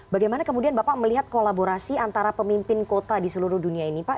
bagaimana kemudian bapak melihat kolaborasi antara pemimpin kota di seluruh dunia ini pak